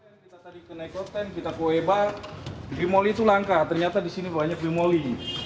kita tadi kena ikutan kita ke weba bimoli itu langka ternyata disini banyak bimoli